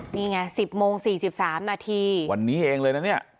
นี่ไงสิบโมงสี่สิบสามนาทีวันนี้เองเลยนะเนี้ย